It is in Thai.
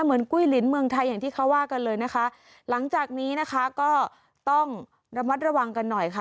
กุ้ยลินเมืองไทยอย่างที่เขาว่ากันเลยนะคะหลังจากนี้นะคะก็ต้องระมัดระวังกันหน่อยค่ะ